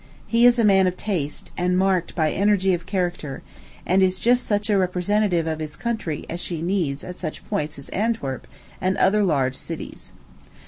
He is a man of taste, and marked by energy of character; and is just such a representative of his country as she needs at such points as Antwerp and other large cities.